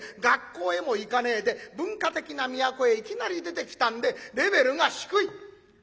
学校へも行かねえで文化的な都へいきなり出てきたんでレベルが低い。